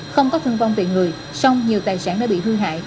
không có thương vong về người song nhiều tài sản đã bị hư hại